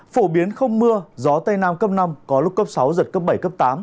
phổ biến không mưa gió tây nam cấp năm có lúc cấp sáu giật cấp bảy cấp tám